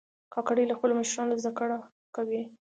کاکړي له خپلو مشرانو زده کړه کوي.